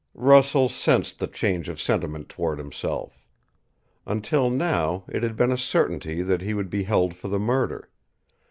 Russell sensed the change of sentiment toward himself. Until now, it had been a certainty that he would be held for the murder.